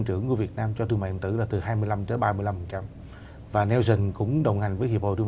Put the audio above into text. trên toàn thế giới